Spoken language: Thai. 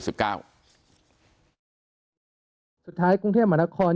สุดท้ายกรุงเทพมหานคร